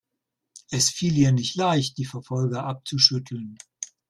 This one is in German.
Es fiel ihr nicht leicht, die Verfolger abzuschütteln.